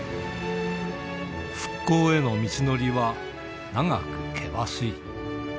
復興への道のりは、長く険しい。